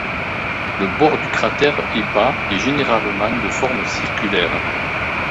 Le bord du cratère est bas et généralement de forme circulaire.